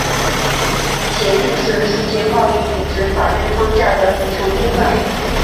协定是世界贸易组织法律框架的组成部分。